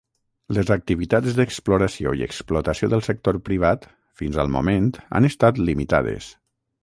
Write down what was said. Les activitats d'exploració i explotació del sector privat fins al moment han estat limitades.